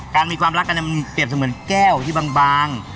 มีความรักกันมันเปรียบเสมือนแก้วที่บาง